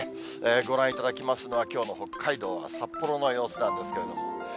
ご覧いただきますのは、きょうの北海道は札幌の様子なんですけど。